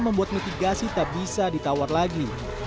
membuat mitigasi tak bisa ditawar lagi